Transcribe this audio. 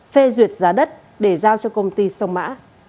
phê duyệt giá đất để giao cho công ty sông mã